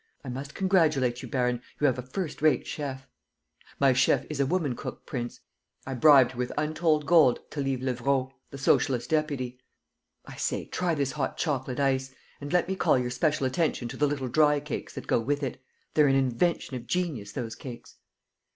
I must congratulate you, baron; you have a first rate chef." "My chef is a woman cook, prince. I bribed her with untold gold to leave Levraud, the socialist deputy. I say, try this hot chocolate ice; and let me call your special attention to the little dry cakes that go with it. They're an invention of genius, those cakes."